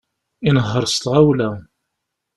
Inehher s tɣawla.